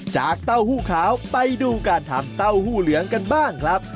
เต้าหู้ขาวไปดูการทำเต้าหู้เหลืองกันบ้างครับ